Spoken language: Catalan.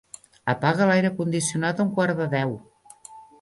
Apaga l'aire condicionat a un quart de deu.